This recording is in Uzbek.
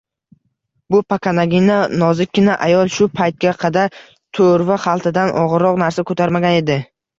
Bu pakanagina, nozikkina ayol shu paytga qadar toʻrva xaltadan ogʻirroq narsa koʻtarmagan edi